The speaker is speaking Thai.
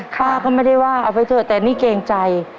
ป้าก็ไม่ได้ว่าเอาไปเถอะแต่นี่เกรงใจ